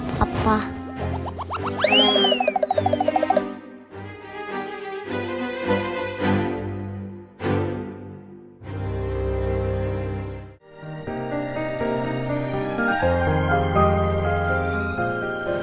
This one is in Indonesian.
terima kasih alhamdulillah dan malam baru kembali